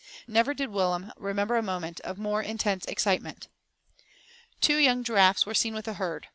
Never did Willem remember a moment of more intense excitement. Two young giraffes were seen with the herd.